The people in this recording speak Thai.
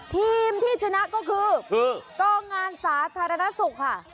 ทีมที่ชนะก็คือกองงานสาธารณสุขค่ะ